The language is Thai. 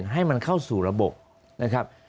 ให้มันเข้าสู่ระบบ